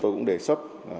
tôi cũng đề xuất